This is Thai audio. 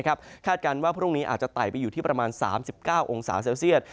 คาดการณ์ว่าพรุ่งนี้อาจจะไต่ไปอยู่ที่ประมาณ๓๙องศาเซลเซียต